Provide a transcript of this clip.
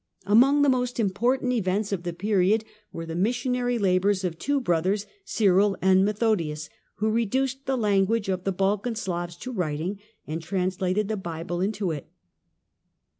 Among the most important events of the period were the missionary labours of two brothers, Cyril and Methodius, who reduced the language of the Balkan Slavs to writing, and translated the Bible into it.